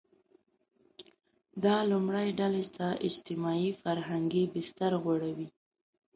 دا لومړۍ ډلې ته اجتماعي – فرهنګي بستر غوړوي.